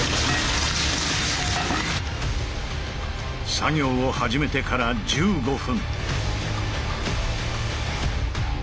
作業を始めてから１５分。